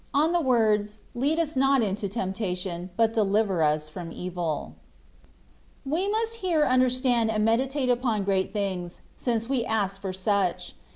ON THE WOKDS, " LEAD US NOT INTO TEMPTATION, BUT DELIVK& US FROM EVIL." We must here understand and meditate upon great things, since we ask for such.